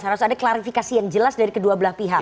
harus ada klarifikasi yang jelas dari kedua belah pihak